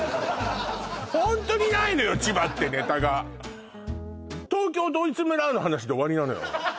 ホントにないのよ千葉ってネタが東京ドイツ村の話で終わりなのよ